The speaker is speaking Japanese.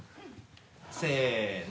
せの。